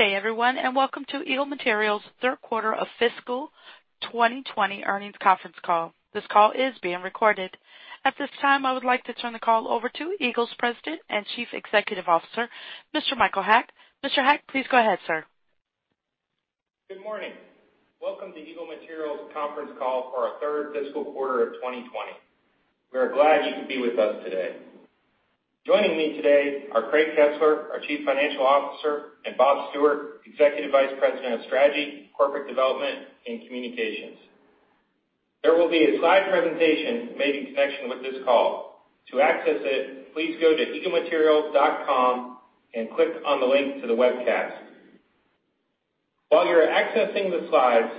Good day everyone, welcome to Eagle Materials third quarter of fiscal 2020 earnings conference call. This call is being recorded. At this time, I would like to turn the call over to Eagle's President and Chief Executive Officer, Mr. Michael Haack. Mr. Haack, please go ahead, sir. Good morning. Welcome to Eagle Materials conference call for our third fiscal quarter of 2020. We are glad you could be with us today. Joining me today are Craig Kesler, our Chief Financial Officer, and Bob Stewart, Executive Vice President of Strategy, Corporate Development, and Communications. There will be a slide presentation made in connection with this call. To access it, please go to eaglematerials.com and click on the link to the webcast. While you are accessing the slides,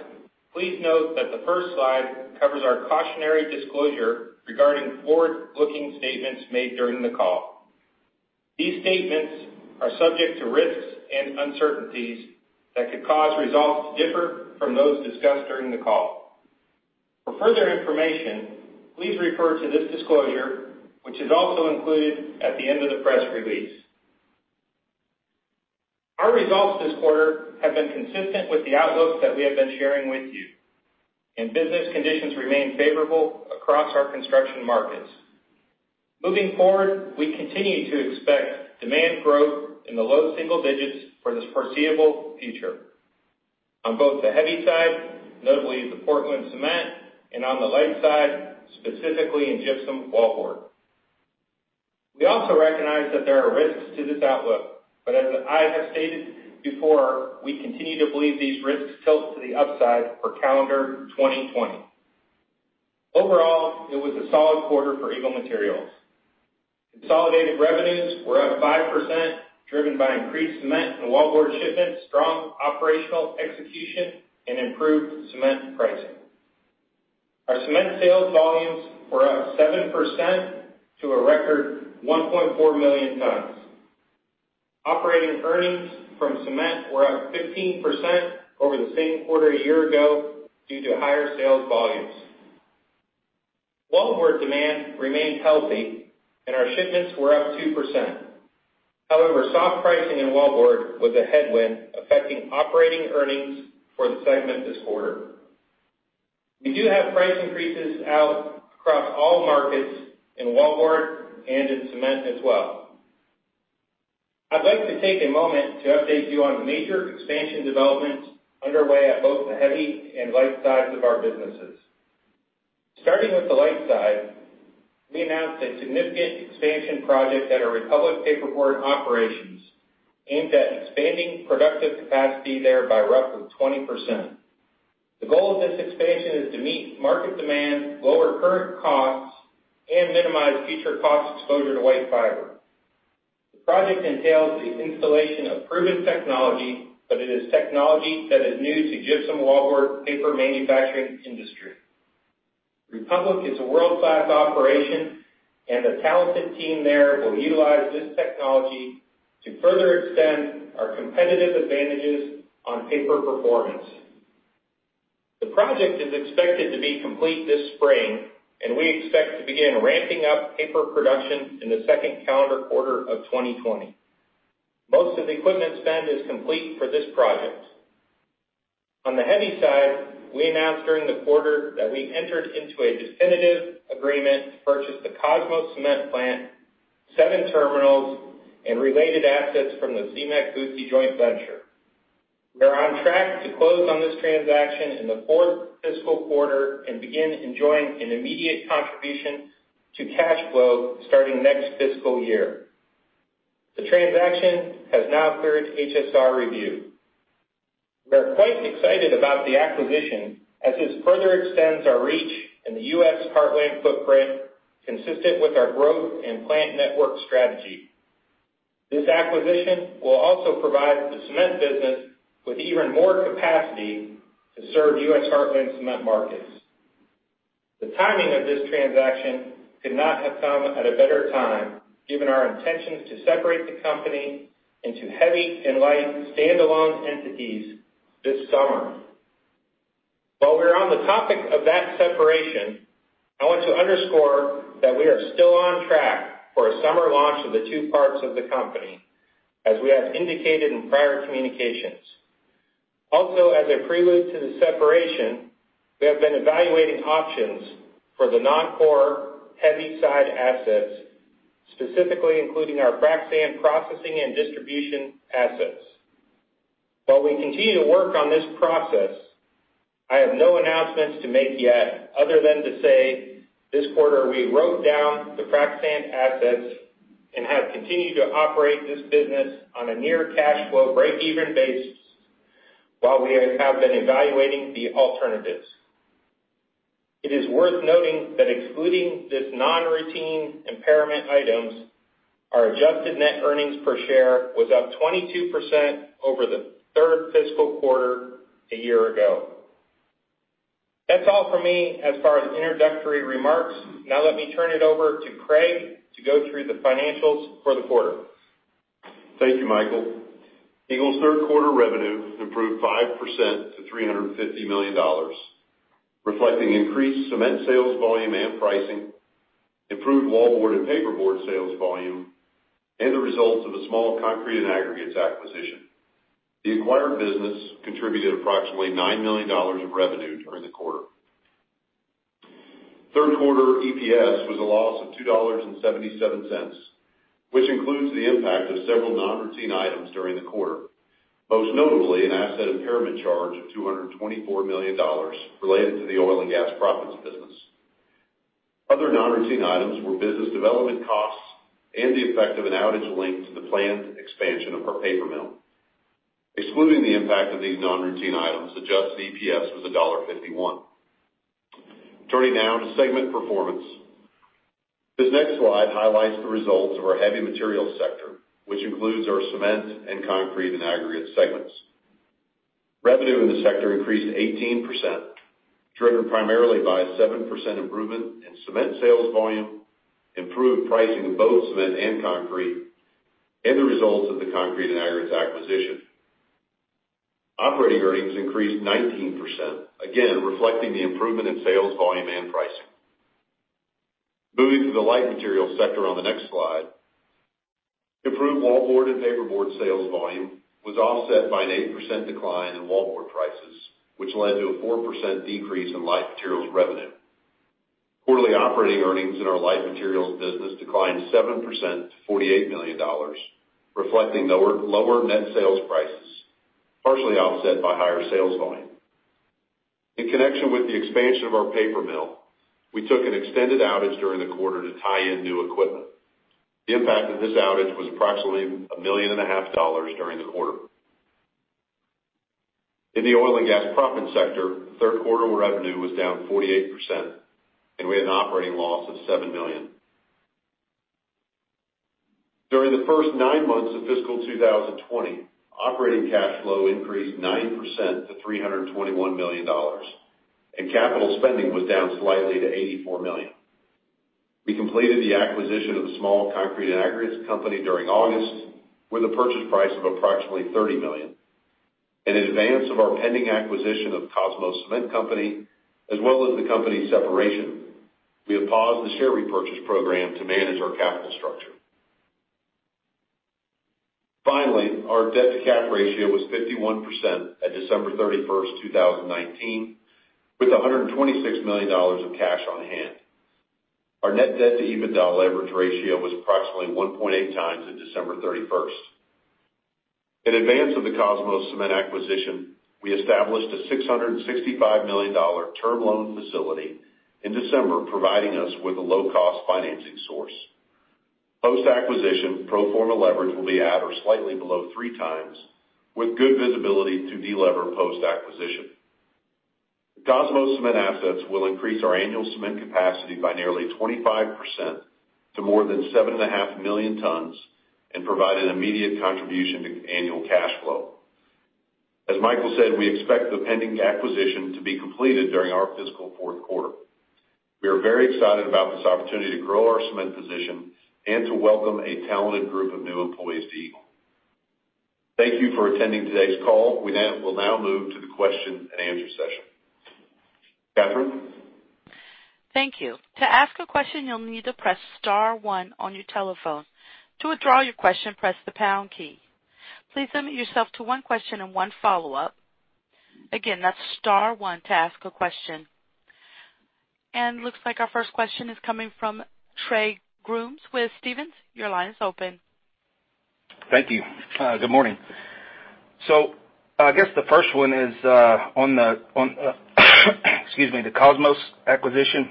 please note that the first slide covers our cautionary disclosure regarding forward-looking statements made during the call. These statements are subject to risks and uncertainties that could cause results to differ from those discussed during the call. For further information, please refer to this disclosure, which is also included at the end of the press release. Our results this quarter have been consistent with the outlooks that we have been sharing with you, and business conditions remain favorable across our construction markets. Moving forward, we continue to expect demand growth in the low single digits for the foreseeable future on both the heavy side, notably the Portland cement, and on the light side, specifically in gypsum wallboard. We also recognize that there are risks to this outlook, but as I have stated before, we continue to believe these risks tilt to the upside for calendar 2020. Overall, it was a solid quarter for Eagle Materials. Consolidated revenues were up 5%, driven by increased cement and wallboard shipments, strong operational execution, and improved cement pricing. Our cement sales volumes were up 7% to a record 1.4 million tons. Operating earnings from cement were up 15% over the same quarter a year ago due to higher sales volumes. Wallboard demand remained healthy, and our shipments were up 2%. However, soft pricing in wallboard was a headwind affecting operating earnings for the segment this quarter. We do have price increases out across all markets in wallboard and in cement as well. I'd like to take a moment to update you on the major expansion developments underway at both the heavy and light sides of our businesses. Starting with the light side, we announced a significant expansion project at our Republic Paperboard operations aimed at expanding productive capacity there by roughly 20%. The goal of this expansion is to meet market demand, lower current costs, and minimize future cost exposure to white fiber. The project entails the installation of proven technology, but it is technology that is new to gypsum wallboard paper manufacturing industry. Republic is a world-class operation, and the talented team there will utilize this technology to further extend our competitive advantages on paper performance. The project is expected to be complete this spring, and we expect to begin ramping up paper production in the second calendar quarter of 2020. Most of the equipment spend is complete for this project. On the heavy side, we announced during the quarter that we entered into a definitive agreement to purchase the Kosmos Cement plant, seven terminals, and related assets from the Cemex-Buzzi joint venture. We are on track to close on this transaction in the fourth fiscal quarter and begin enjoying an immediate contribution to cash flow starting next fiscal year. The transaction has now cleared its HSR review. We are quite excited about the acquisition, as this further extends our reach in the U.S. Heartland footprint, consistent with our growth and plant network strategy. This acquisition will also provide the cement business with even more capacity to serve U.S. Heartland cement markets. The timing of this transaction could not have come at a better time, given our intentions to separate the company into heavy and light standalone entities this summer. While we're on the topic of that separation, I want to underscore that we are still on track for a summer launch of the two parts of the company, as we have indicated in prior communications. Also, as a prelude to the separation, we have been evaluating options for the non-core heavy side assets, specifically including our frac sand processing and distribution assets. While we continue to work on this process, I have no announcements to make yet other than to say this quarter we wrote down the frac sand assets and have continued to operate this business on a near cash flow breakeven basis while we have been evaluating the alternatives. It is worth noting that excluding these non-routine impairment items, our adjusted net earnings per share was up 22% over the third fiscal quarter a year ago. That's all from me as far as introductory remarks. Let me turn it over to Craig to go through the financials for the quarter. Thank you, Michael. Eagle's third quarter revenue improved 5% to $350 million, reflecting increased cement sales volume and pricing, improved wallboard and paperboard sales volume, and the results of a small concrete and aggregates acquisition. The acquired business contributed approximately $9 million in revenue during the quarter. Third quarter EPS was a loss of $2.77, which includes the impact of several non-routine items during the quarter, most notably an asset impairment charge of $224 million related to the oil and gas proppants business. Other non-routine items were business development costs and the effect of an outage linked to the planned expansion of our paper mill. Excluding the impact of these non-routine items, adjusted EPS was $1.51. Turning now to segment performance. This next slide highlights the results of our heavy materials sector, which includes our cement and concrete and aggregate segments. Revenue in the sector increased 18%, driven primarily by a 7% improvement in cement sales volume, improved pricing of both cement and concrete, and the results of the concrete and aggregates acquisition. Operating earnings increased 19%, again, reflecting the improvement in sales volume and pricing. Moving to the light materials sector on the next slide. Improved wallboard and paperboard sales volume was offset by an 8% decline in wallboard prices, which led to a 4% decrease in light materials revenue. Quarterly operating earnings in our light materials business declined 7% to $48 million, reflecting lower net sales prices, partially offset by higher sales volume. In connection with the expansion of our paper mill, we took an extended outage during the quarter to tie in new equipment. The impact of this outage was approximately a million and a half dollars during the quarter. In the oil and gas proppant sector, third quarter revenue was down 48%. We had an operating loss of $7 million. During the first nine months of fiscal 2020, operating cash flow increased 9% to $321 million, and capital spending was down slightly to $84 million. We completed the acquisition of a small concrete and aggregates company during August with a purchase price of approximately $30 million. In advance of our pending acquisition of Kosmos Cement Company, as well as the company separation, we have paused the share repurchase program to manage our capital structure. Our debt-to-cap ratio was 51% at December 31st, 2019, with $126 million in cash on hand. Our net debt to EBITDA leverage ratio was approximately 1.8x at December 31st. In advance of the Kosmos Cement acquisition, we established a $665 million term loan facility in December, providing us with a low-cost financing source. Post-acquisition, pro forma leverage will be at or slightly below three times, with good visibility to de-lever post-acquisition. The Kosmos Cement assets will increase our annual cement capacity by nearly 25% to more than 7.5 million tons and provide an immediate contribution to annual cash flow. As Michael said, we expect the pending acquisition to be completed during our fiscal fourth quarter. We are very excited about this opportunity to grow our cement position and to welcome a talented group of new employees to Eagle. Thank you for attending today's call. We will now move to the question and answer session. Catherine? Thank you. To ask a question, you'll need to press star one on your telephone. To withdraw your question, press the pound key. Please limit yourself to one question and one follow-up. Again, that's star one to ask a question. Looks like our first question is coming from Trey Grooms with Stephens. Your line is open. Thank you. Good morning. I guess the first one is on the excuse me, the Kosmos acquisition.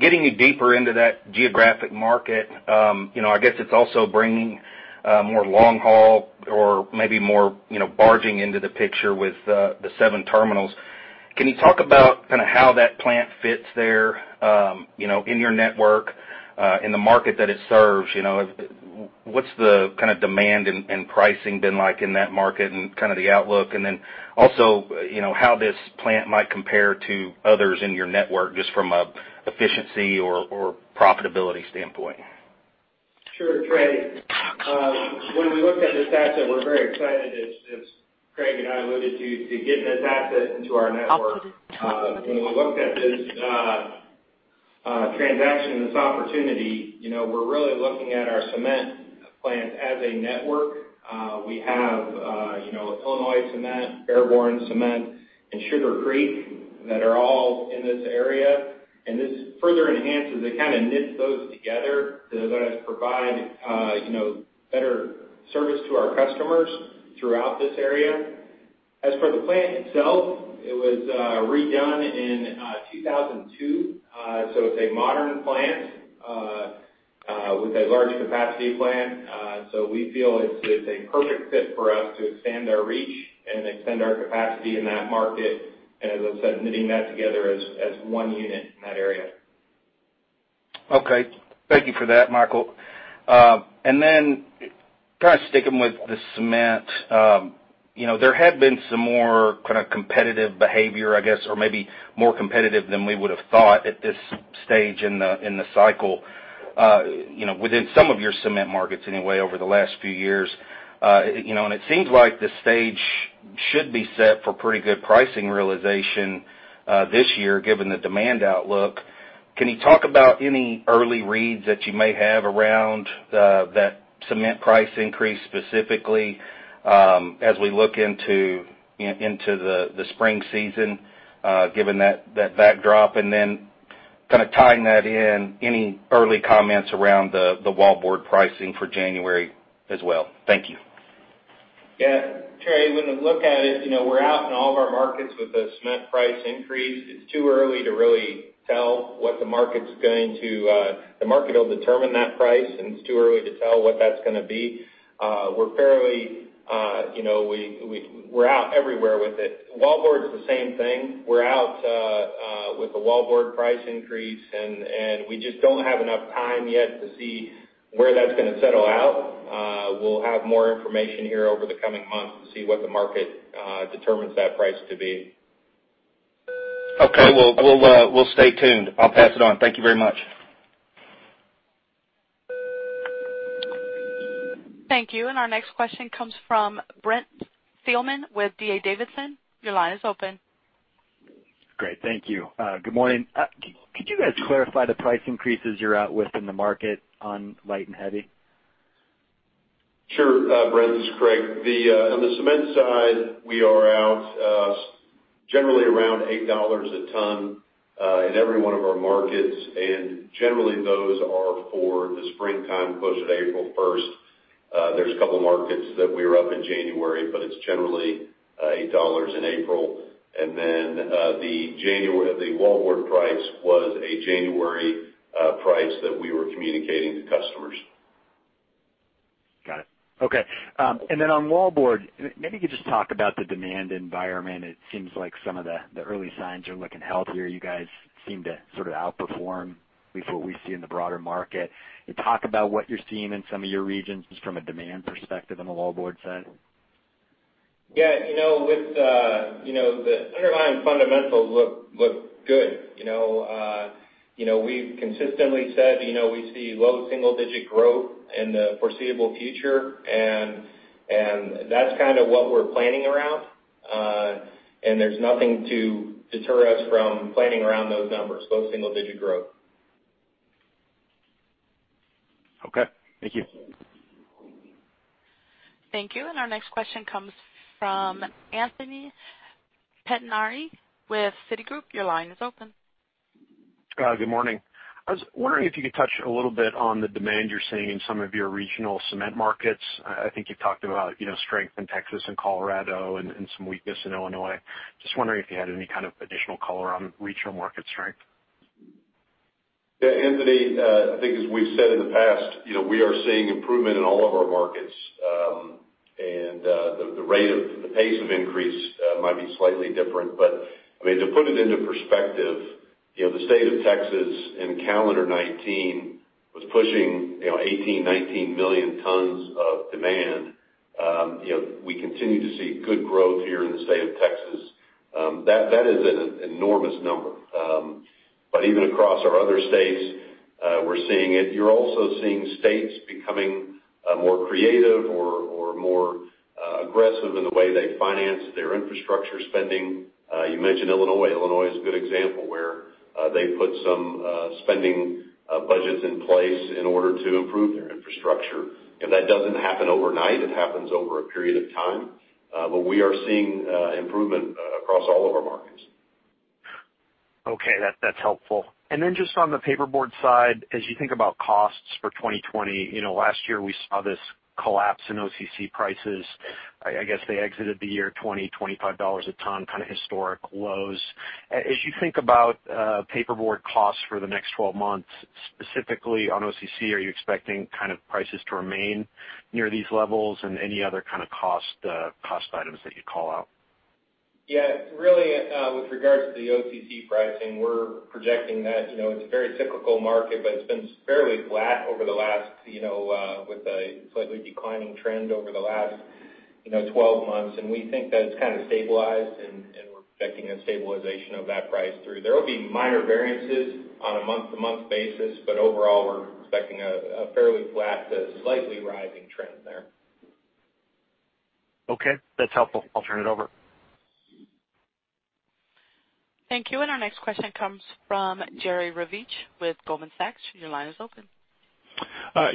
Getting you deeper into that geographic market, I guess it's also bringing more long haul or maybe more barging into the picture with the seven terminals. Can you talk about how that plant fits there, in your network, in the market that it serves? What's the demand and pricing been like in that market and the outlook? Also how this plant might compare to others in your network, just from an efficiency or profitability standpoint? Sure, Trey. When we looked at this asset, we're very excited as Craig and I alluded to getting this asset into our network. When we looked at this transaction and this opportunity, we're really looking at our cement plant as a network. We have Illinois Cement, Fairborn Cement, and Sugar Creek that are all in this area. This further enhances, it kind of knits those together to let us provide better service to our customers throughout this area. As for the plant itself, it was redone in 2002, it's a modern plant with a large capacity plant. We feel it's a perfect fit for us to expand our reach and expand our capacity in that market. As I said, knitting that together as one unit in that area. Okay. Thank you for that, Michael. Then sticking with the cement. There have been some more kind of competitive behavior, I guess, or maybe more competitive than we would have thought at this stage in the cycle, within some of your cement markets anyway over the last few years. It seems like this stage should be set for pretty good pricing realization this year, given the demand outlook. Can you talk about any early reads that you may have around that cement price increase, specifically as we look into the spring season, given that backdrop? Then tying that in, any early comments around the wallboard pricing for January as well? Thank you. Yeah. Trey, when we look at it, we're out in all of our markets with the cement price increase. It's too early to really tell. The market will determine that price, and it's too early to tell what that's going to be. We're out everywhere with it. Wallboard's the same thing. We're out with the wallboard price increase, and we just don't have enough time yet to see where that's going to settle out. We'll have more information here over the coming months to see what the market determines that price to be. Okay. We'll stay tuned. I'll pass it on. Thank you very much. Thank you. Our next question comes from Brent Thielman with D.A. Davidson. Your line is open. Great, thank you. Good morning. Could you guys clarify the price increases you're out with in the market on light and heavy? Sure, Brent. This is Craig. On the cement side, we are out generally around $8 a ton, in every one of our markets, and generally those are for the springtime push at April 1st. There's a couple markets that we are up in January, but it's generally $8 in April. The wallboard price was a January price that we were communicating to customers. Got it. Okay. On wallboard, maybe you could just talk about the demand environment. It seems like some of the early signs are looking healthier. You guys seem to sort of outperform with what we see in the broader market. Can you talk about what you're seeing in some of your regions just from a demand perspective on the wallboard side? Yeah. The underlying fundamentals look good. We've consistently said we see low single-digit growth in the foreseeable future, and that's kind of what we're planning around. There's nothing to deter us from planning around those numbers, low single-digit growth. Okay. Thank you. Thank you. Our next question comes from Anthony Pettinari with Citigroup. Your line is open. Good morning. I was wondering if you could touch a little bit on the demand you're seeing in some of your regional cement markets. I think you talked about strength in Texas and Colorado and some weakness in Illinois. Just wondering if you had any kind of additional color on regional market strength. Yeah, Anthony, I think as we've said in the past, we are seeing improvement in all of our markets. The pace of increase might be slightly different, but to put it into perspective, the state of Texas in calendar 2019 was pushing 18, 19 million tons of demand. We continue to see good growth here in the state of Texas. That is an enormous number. Even across our other states, we're seeing it. You're also seeing states becoming more creative or more aggressive in the way they finance their infrastructure spending. You mentioned Illinois. Illinois is a good example where they put some spending budgets in place in order to improve their infrastructure, and that doesn't happen overnight. It happens over a period of time. We are seeing improvement across all of our markets. Okay. That's helpful. Just on the paperboard side, as you think about costs for 2020, last year we saw this collapse in OCC prices. I guess they exited the year $20, $25 a ton, kind of historic lows. As you think about paperboard costs for the next 12 months, specifically on OCC, are you expecting prices to remain near these levels and any other kind of cost items that you'd call out? Yeah, really, with regards to the OCC pricing, we're projecting that it's a very cyclical market, but it's been fairly flat with a slightly declining trend over the last 12 months. We think that it's kind of stabilized, and we're expecting a stabilization of that price through. There will be minor variances on a month-to-month basis, but overall, we're expecting a fairly flat to slightly rising trend there. Okay. That's helpful. I'll turn it over. Thank you. Our next question comes from Jerry Revich with Goldman Sachs. Your line is open.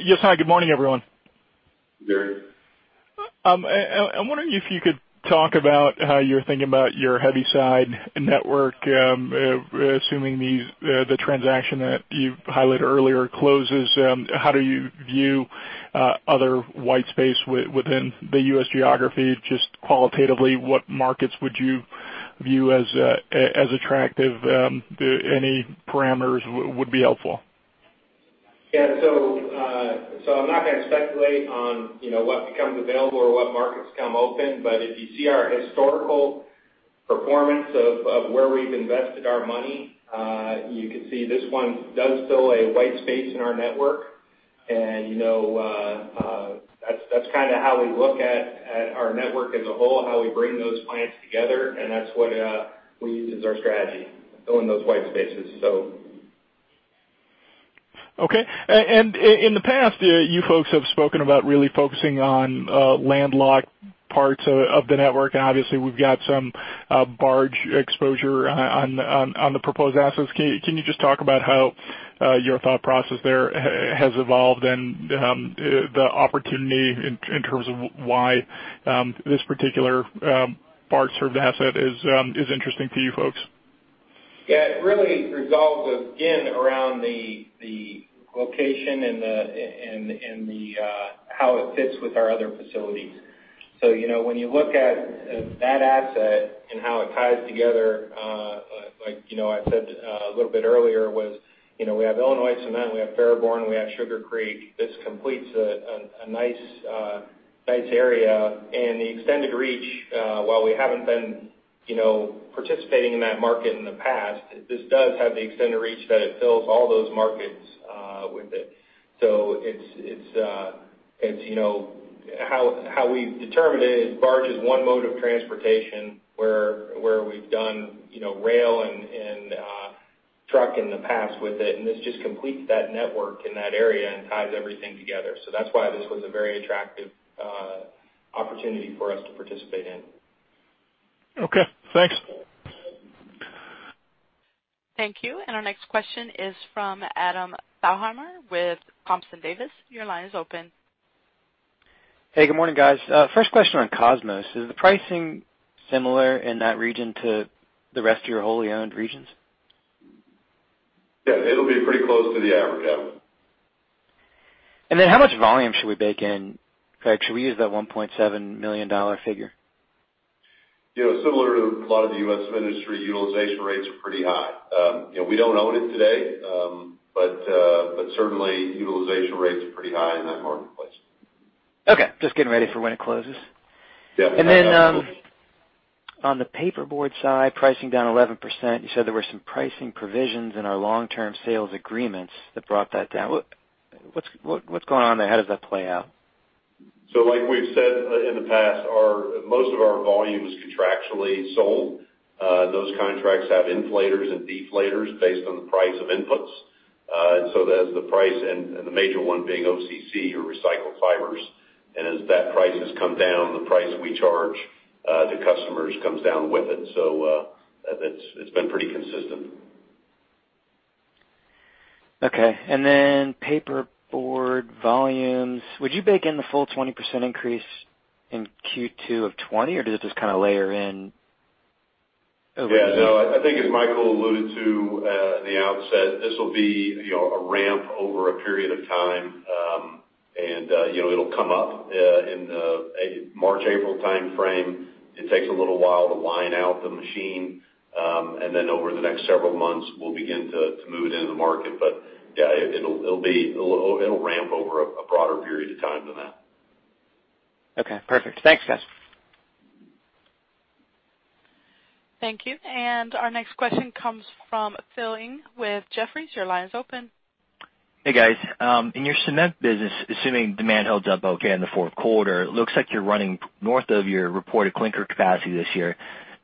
Yes, hi. Good morning, everyone. Jerry. I'm wondering if you could talk about how you're thinking about your heavy side network, assuming the transaction that you highlighted earlier closes, how do you view other white space within the U.S. geography? Just qualitatively, what markets would you view as attractive? Any parameters would be helpful. Yeah. I'm not going to speculate on what becomes available or what markets come open, but if you see our historical performance of where we've invested our money, you can see this one does fill a white space in our network. That's kind of how we look at our network as a whole, how we bring those clients together, and that's what we use as our strategy, filling those white spaces. Okay. In the past, you folks have spoken about really focusing on landlocked parts of the network, and obviously we've got some barge exposure on the proposed assets. Can you just talk about how your thought process there has evolved and the opportunity in terms of why this particular barge-served asset is interesting to you folks? Yeah. It really revolves, again, around the location and how it fits with our other facilities. When you look at that asset and how it ties together, like I said a little bit earlier was, we have Illinois Cement, we have Fairborn, we have Sugar Creek. This completes a nice area. The extended reach, while we haven't been participating in that market in the past, this does have the extended reach that it fills all those markets with it. How we've determined it is barge is one mode of transportation where we've done rail and truck in the past with it, and this just completes that network in that area and ties everything together. That's why this was a very attractive opportunity for us to participate in. Okay, thanks. Thank you. Our next question is from Adam Thalhimer with Thompson Davis. Your line is open. Hey, good morning, guys. First question on Kosmos. Is the pricing similar in that region to the rest of your wholly owned regions? Yes, it'll be pretty close to the average. Yeah. How much volume should we bake in? Craig, should we use that $1.7 million figure? Similar to a lot of the U.S. industry, utilization rates are pretty high. We don't own it today, but certainly utilization rates are pretty high in that marketplace. Okay. Just getting ready for when it closes. Yeah. On the paperboard side, pricing down 11%. You said there were some pricing provisions in our long-term sales agreements that brought that down. What's going on there? How does that play out? Like we've said in the past, most of our volume is contractually sold. Those contracts have inflators and deflators based on the price of inputs. As the price, and the major one being OCC or recycled fibers, and as that price has come down, the price we charge the customers comes down with it. It's been pretty consistent. Okay. paperboard volumes, would you bake in the full 20% increase in Q2 of 2020, or does it just kind of layer in over the year? Yeah, no. I think as Michael alluded to at the outset, this will be a ramp over a period of time. It'll come up in a March, April timeframe. It takes a little while to line out the machine, and then over the next several months, we'll begin to move it into the market. Yeah, it'll ramp over a broader period of time than that. Okay, perfect. Thanks, guys. Thank you. Our next question comes from Philip Ng with Jefferies. Your line is open. Hey, guys. In your cement business, assuming demand holds up okay in the fourth quarter, it looks like you're running north of your reported clinker capacity this year.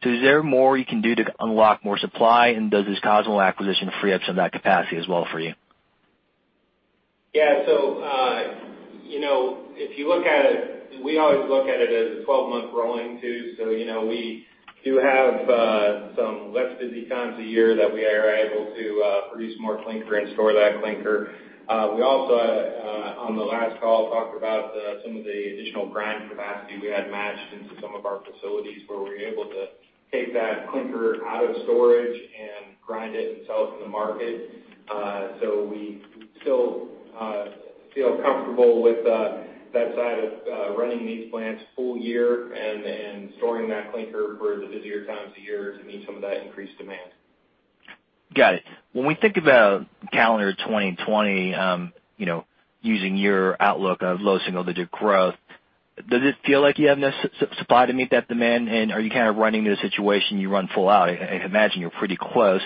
Is there more you can do to unlock more supply, and does this Kosmos acquisition free up some of that capacity as well for you? Yeah. If you look at it, we always look at it as a 12-month rolling too. We do have some less busy times of year that we are able to produce more clinker and store that clinker. We also on the last call talked about some of the additional grind capacity we had matched into some of our facilities where we're able to take that clinker out of storage and grind it and sell it to the market. We still feel comfortable with that side of running these plants full-year and storing that clinker for the busier times of year to meet some of that increased demand. Got it. When we think about calendar 2020, using your outlook of low single-digit growth, does it feel like you have enough supply to meet that demand, and are you kind of running the situation you run full out? I imagine you're pretty close.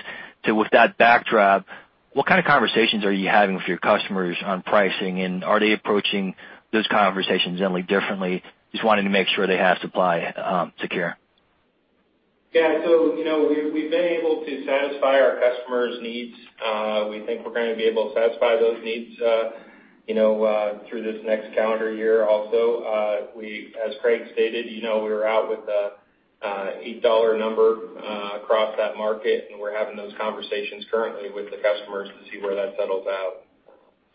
With that backdrop, what kind of conversations are you having with your customers on pricing, and are they approaching those conversations any differently, just wanting to make sure they have supply secure? Yeah. We've been able to satisfy our customers' needs. We think we're going to be able to satisfy those needs through this next calendar year also. As Craig stated, we were out with an $8 number across that market, and we're having those conversations currently with the customers to see where that settles out.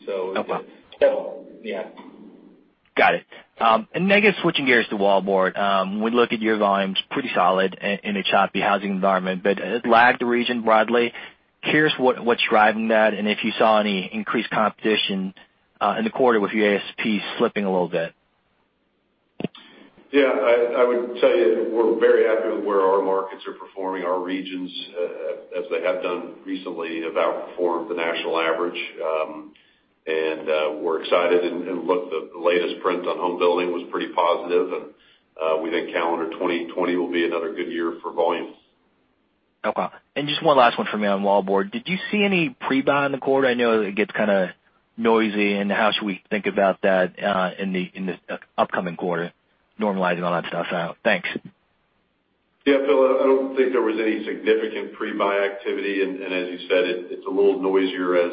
Okay. Yeah. Got it. Maybe switching gears to wallboard. When we look at your volumes, pretty solid in a choppy housing environment, but it lagged the region broadly. Curious what's driving that, and if you saw any increased competition in the quarter with your ASP slipping a little bit. Yeah. I would tell you we're very happy with where our markets are performing. Our regions, as they have done recently, have outperformed the national average. We're excited and look, the latest print on home building was pretty positive, and we think calendar 2020 will be another good year for volumes. Okay. Just one last one for me on wallboard. Did you see any pre-buy in the quarter? I know it gets kind of noisy, and how should we think about that in the upcoming quarter, normalizing all that stuff out? Thanks. Yeah, Phil, I don't think there was any significant pre-buy activity. As you said, it's a little noisier as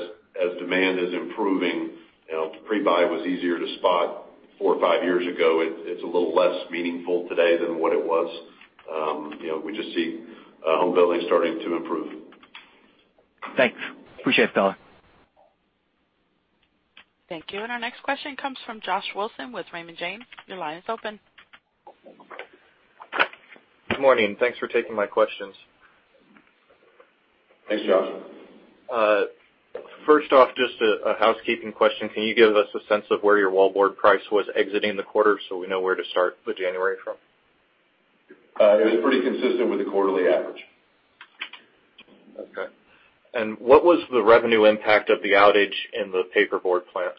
demand is improving. Pre-buy was easier to spot four or five years ago. It's a little less meaningful today than what it was. We just see home building starting to improve. Thanks. Appreciate it, fella. Thank you. Our next question comes from Joshua Wilson with Raymond James. Your line is open. Good morning. Thanks for taking my questions. Thanks, Josh. First off, just a housekeeping question. Can you give us a sense of where your wallboard price was exiting the quarter so we know where to start with January from? It was pretty consistent with the quarterly average. Okay. What was the revenue impact of the outage in the paperboard plant?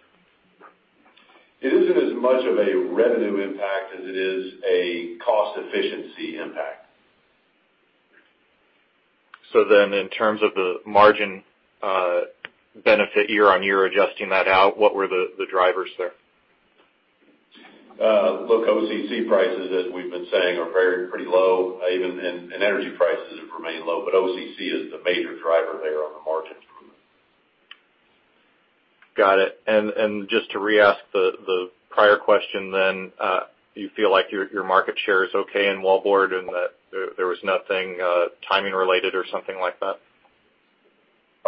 It isn't as much of a revenue impact as it is a cost efficiency impact. In terms of the margin benefit year-on-year, adjusting that out, what were the drivers there? Look, OCC prices, as we've been saying, are pretty low. Energy prices have remained low. OCC is the major driver there on the margin improvement. Got it. Just to re-ask the prior question then, do you feel like your market share is okay in wallboard and that there was nothing timing related or something like that?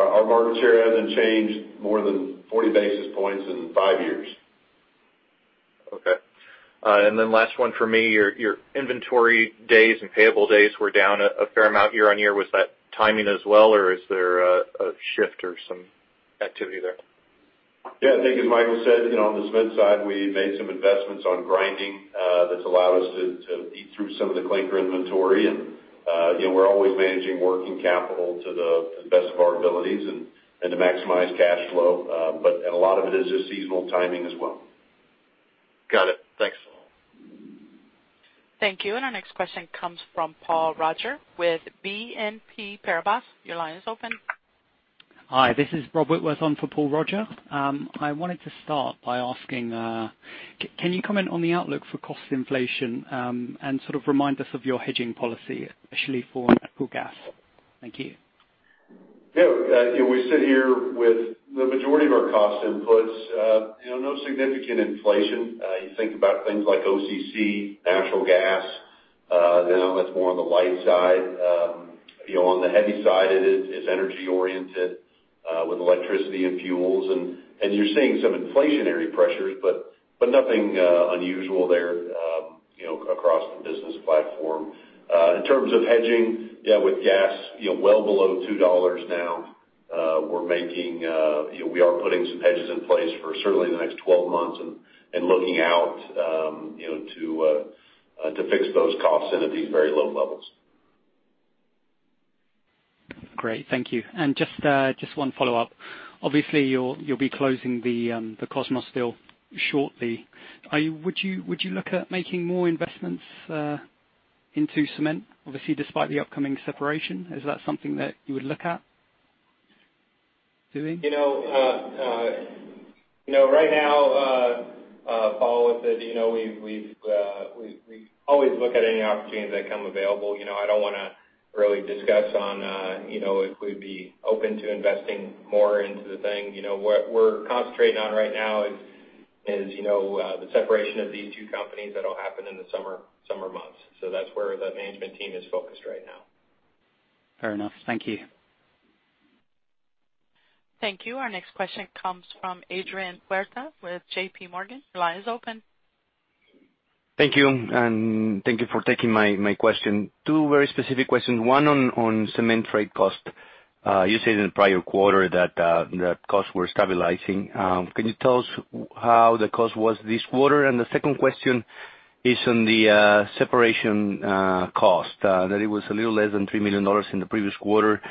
Our market share hasn't changed more than 40 basis points in five years. Okay. Last one for me, your inventory days and payable days were down a fair amount year-on-year. Was that timing as well or is there a shift or some activity there? Yeah, I think as Michael said, on the cement side we made some investments on grinding that's allowed us to eat through some of the clinker inventory. We're always managing working capital to the best of our abilities and to maximize cash flow. A lot of it is just seasonal timing as well. Got it. Thanks. Thank you. Our next question comes from Paul Roger with BNP Paribas. Your line is open. Hi, this is Rob Whitworth on for Paul Roger. I wanted to start by asking, can you comment on the outlook for cost inflation, and sort of remind us of your hedging policy, especially for natural gas? Thank you. Yeah. We sit here with the majority of our cost inputs, no significant inflation. You think about things like OCC, natural gas, that's more on the light side. On the heavy side it is energy oriented with electricity and fuels, and you're seeing some inflationary pressures, but nothing unusual there across the business platform. In terms of hedging, yeah, with gas well below $2 now, we are putting some hedges in place for certainly the next 12 months and looking out to fix those costs in at these very low levels. Great. Thank you. Just one follow-up. Obviously, you'll be closing the Kosmos deal shortly. Would you look at making more investments into cement, obviously despite the upcoming separation? Is that something that you would look at doing? Right now, Paul, as you know we always look at any opportunities that come available. I don't want to really discuss on if we'd be open to investing more into the thing. What we're concentrating on right now is the separation of these two companies that'll happen in the summer months. That's where the management team is focused right now. Fair enough. Thank you. Thank you. Our next question comes from Adrian Huerta with JPMorgan. Your line is open. Thank you, and thank you for taking my question. Two very specific questions. One on cement freight cost. You said in the prior quarter that costs were stabilizing. Can you tell us how the cost was this quarter? The second question is on the separation cost, that it was a little less than $3 million in the previous quarter.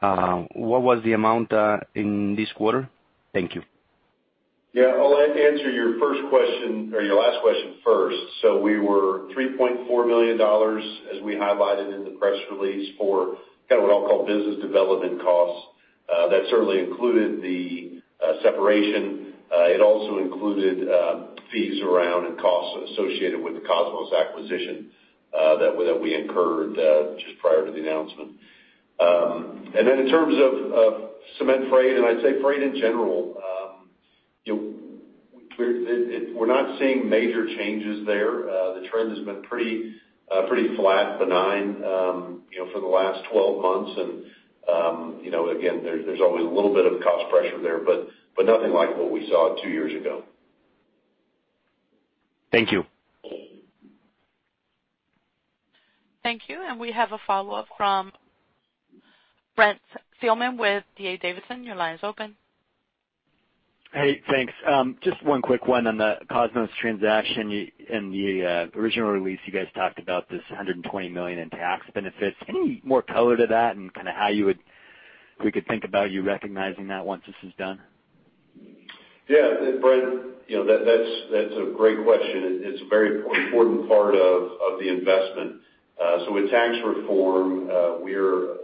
What was the amount in this quarter? Thank you. Yeah. I'll answer your last question first. We were $3.4 million as we highlighted in the press release for kind of what I'll call business development costs. That certainly included the separation. It also included fees around and costs associated with the Kosmos acquisition that we incurred just prior to the announcement. In terms of cement freight, and I'd say freight in general, we're not seeing major changes there. The trend has been pretty flat, benign for the last 12 months. Again, there's always a little bit of cost pressure there, but nothing like what we saw two years ago. Thank you. Thank you. We have a follow-up from Brent Thielman with D.A. Davidson. Your line is open. Hey, thanks. Just one quick one on the Kosmos transaction. In the original release, you guys talked about this $120 million in tax benefits. Any more color to that and kind of how we could think about you recognizing that once this is done? Yeah, Brent, that's a great question. It's a very important part of the investment. With tax reform, we're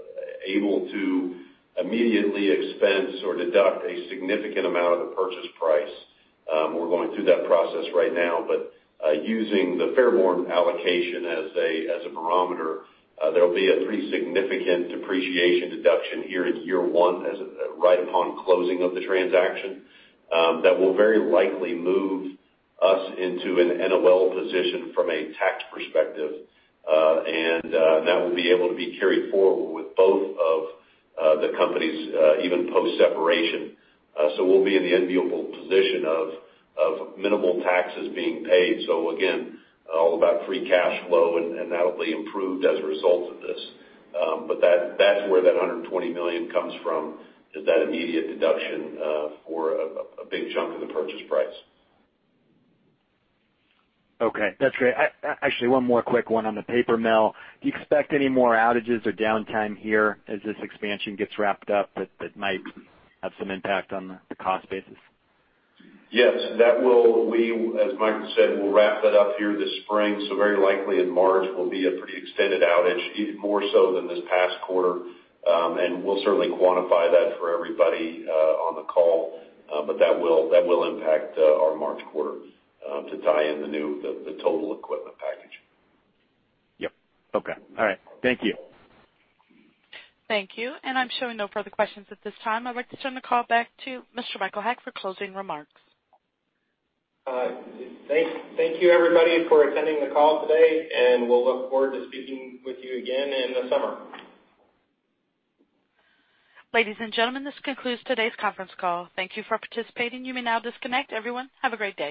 able to immediately expense or deduct a significant amount of the purchase price. We're going through that process right now, but using the Fairborn allocation as a barometer, there'll be a pretty significant depreciation deduction here in year one right upon closing of the transaction that will very likely move us into an NOL position from a tax perspective. That will be able to be carried forward with both of the companies even post-separation. We'll be in the enviable position of minimal taxes being paid. Again, all about free cash flow, and that'll be improved as a result of this. That's where that $120 million comes from, is that immediate deduction for a big chunk of the purchase price. Okay. That's great. Actually, one more quick one on the paper mill. Do you expect any more outages or downtime here as this expansion gets wrapped up that might have some impact on the cost basis? Yes, as Michael said, we'll wrap that up here this spring, so very likely in March will be a pretty extended outage, even more so than this past quarter. We'll certainly quantify that for everybody on the call. That will impact our March quarter to tie in the total equipment package. Yep. Okay. All right. Thank you. Thank you. I'm showing no further questions at this time. I'd like to turn the call back to Mr. Michael Haack for closing remarks. Thank you everybody for attending the call today, and we'll look forward to speaking with you again in the summer. Ladies and gentlemen, this concludes today's conference call. Thank you for participating. You may now disconnect. Everyone, have a great day.